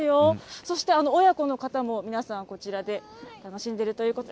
そして親子の方も皆さん、こちらで楽しんでいるということで。